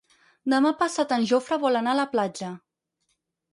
Demà passat en Jofre vol anar a la platja.